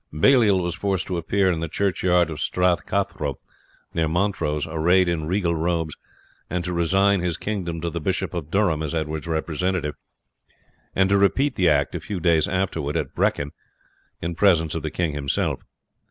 Baliol was forced to appear in the churchyard of Strath Cathro, near Montrose, arrayed in regal robes, and to resign his kingdom to the Bishop of Durham as Edward's representative, and to repeat the act a few days afterwards at Brechin in presence of the king himself.